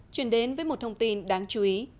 chuyển đến với một thông tin đáng chú ý